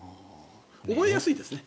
覚えやすいですね。